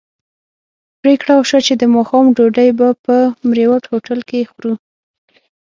پرېکړه وشوه چې د ماښام ډوډۍ به په مریوټ هوټل کې خورو.